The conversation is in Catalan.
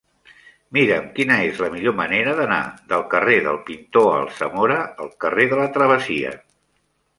Mira'm quina és la millor manera d'anar del carrer del Pintor Alsamora al carrer de la Travessia.